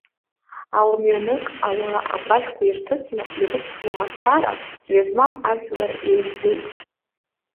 Алмҩанык ауаа агәашәқәа ирҭыҵны ирыцло мацара, ҵҩа змам ажәлар еизеит.